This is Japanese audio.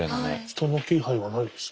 人の気配はないです。